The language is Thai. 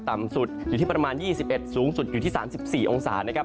ต่ำสุดอยู่ที่ประมาณ๒๑สูงสุดอยู่ที่๓๔องศานะครับ